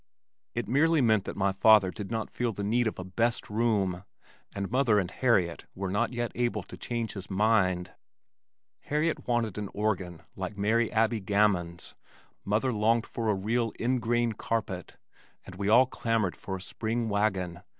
It merely meant that my father did not feel the need of a "best room" and mother and Harriet were not yet able to change his mind. Harriet wanted an organ like Mary Abby Gammons, mother longed for a real "in grain" carpet and we all clamored for a spring wagon.